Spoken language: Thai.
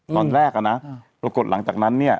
ตอนแรกอะนะปรากฏหลังจากนั้นเนี่ย